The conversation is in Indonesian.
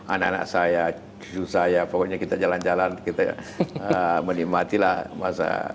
anak anak saya cucu saya pokoknya kita jalan jalan kita menikmatilah masa